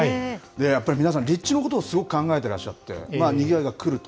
やっぱり皆さん、立地のことをすごく考えてらっしゃって、にぎわいがくると。